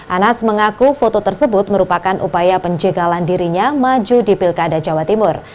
anas mengaku foto tersebut merupakan upaya penjagalan dirinya maju di pilkada jawa timur